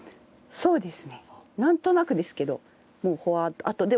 そうです。